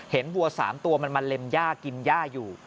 เห็นวัว๓ตัวมันมันเล็มยากกินย่าอยู่